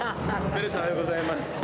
「ベルさんおはようございます」